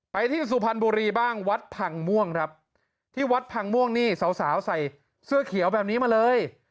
ไปที่สุพรรณบุรีบ้างวัดพังม่วงครับที่วัดพังม่วงนี่สาวสาวใส่เสื้อเขียวแบบนี้มาเลย